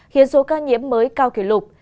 khiến số ca nhiễm mới cao kỷ lục